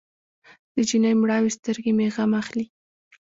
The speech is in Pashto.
د جینۍ مړاوې سترګې مې غم اخلي.